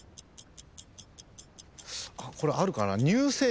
これあるかな？